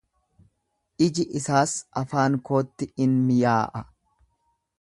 iji isaas afaan kootti in miyaa'a.